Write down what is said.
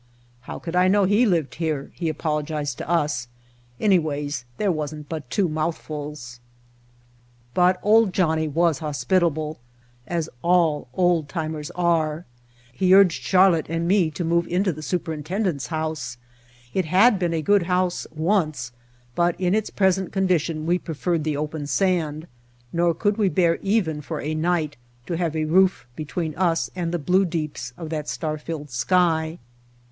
"How could I know he lived here?" he apol ogized to us. "Anyways, there wasn't but two mouthfuls." Entering Death Valley But "Old Johnnie" was hospitable, as all old timers are. He urged Charlotte and me to move into the superintendent's house. It had been a good house once, but in its present condition we preferred the open sand, nor could we bear even for a night to have a roof between us and the blue deeps of that star filled sky.